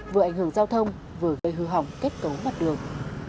vừa ảnh hưởng giao thông vừa gây hư hỏng kết cấu mặt đường